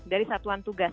dari satuan tugas